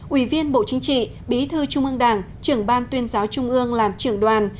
ủy viên bộ chính trị bí thư trung ương đảng trưởng ban tuyên giáo trung ương làm trưởng đoàn